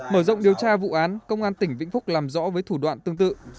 mở rộng điều tra vụ án công an tỉnh vĩnh phúc làm rõ với thủ đoạn tương tự